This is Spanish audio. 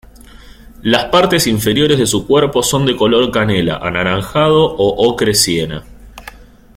Las partes inferiores de su cuerpo son de color canela anaranjado o ocre siena.